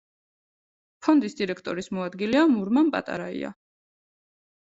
ფონდის დირექტორის მოადგილეა მურმან პატარაია.